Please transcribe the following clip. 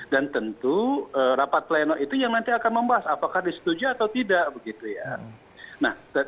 dan tentu rapat pleno itu yang nanti akan membahas apakah disetujui atau tidak begitu ya